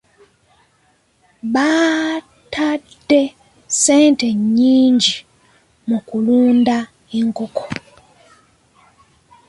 Baatadde ssente nnyingi mu kulunda enkoko.